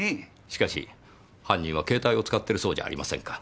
しかし犯人は携帯を使ってるそうじゃありませんか。